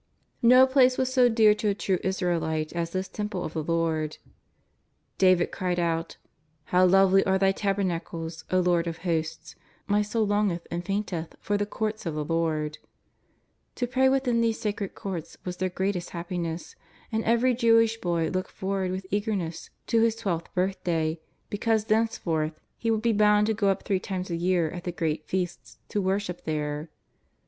'No place was so dear to a true Israelite as this Temple of the Lord. David cried out: ^' How lovely are Thy tabernacles, O Lord of Hosts, my soul longeth and fainteth for the Courts of the Lord.'' To pray within these sacred Courts was their greatest happiness, and every Jewish boy looked forward with eagerness to his tweKth birthday, because thenceforth he would be bound to go up three time? a year at the great feasts 5 74 JESUS OF NAZARETH. to worship there.